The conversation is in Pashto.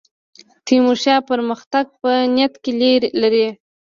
تیمورشاه پرمختګ په نیت کې لري.